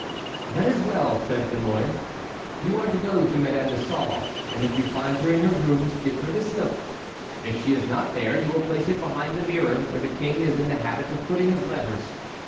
"That is well," said De Mouy, "you are to go to Madame de Sauve, and if you find her in her rooms give her this note. If she is not there, you will place it behind the mirror where the king is in the habit of putting his letters.